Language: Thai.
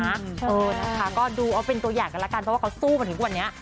เออนะคะก็ดูเอาเป็นตัวอย่างกันแล้วกันเพราะว่าเขาสู้มาถึงทุกวันนี้